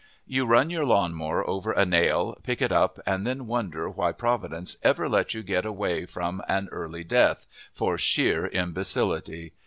You run your lawn mower over a nail, pick it up, and then wonder why providence ever let you get away from an early death, for sheer imbecility.